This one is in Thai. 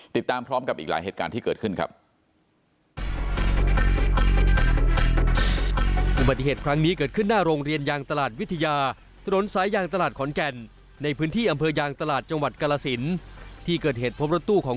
ติดตามพร้อมกับอีกหลายเหตุการณ์ที่เกิดขึ้นครับ